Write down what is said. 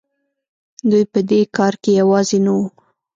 دوی په دې کار کې یوازې نه وو.